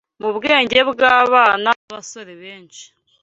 mu bwenge bw’abana n’abasore benshi.